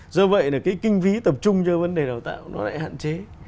do vậy kinh phí tập trung cho vấn đề đào tạo lại hạn chế